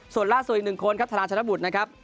ส่วนล่าสุดอีกหนึ่งคนครับธนาชนบุตรนะครับ